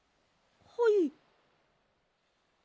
はい。